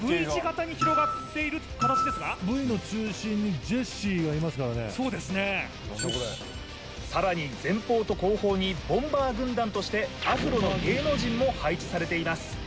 Ｖ字型に広がっている形ですがＶの中心にジェシーがいますからねそうですねさらに前方と後方にボンバー軍団としてアフロの芸能人も配置されています